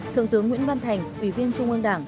thượng tướng nguyễn văn thành ủy viên trung ương đảng